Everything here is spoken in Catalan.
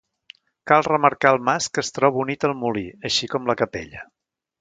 Cal remarcar el mas que es troba unit al molí, així com la capella.